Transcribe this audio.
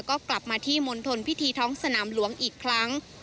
ก็กลับมาที่มณฑลพิธีท้องสนามหลวงอีกครั้ง